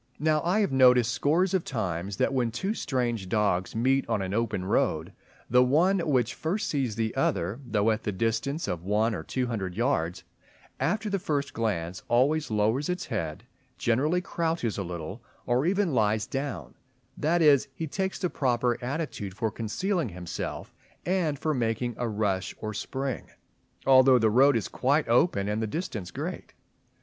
Now I have noticed scores of times that when two strange dogs meet on an open road, the one which first sees the other, though at the distance of one or two hundred yards, after the first glance always lowers its bead, generally crouches a little, or even lies down; that is, he takes the proper attitude for concealing himself and for making a rush or spring although the road is quite open and the distance great.